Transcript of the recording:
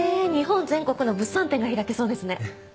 日本全国の物産展が開けそうですね。